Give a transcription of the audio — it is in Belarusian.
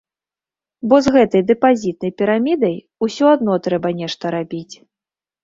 Бо з гэтай дэпазітнай пірамідай ўсё адно трэба нешта рабіць.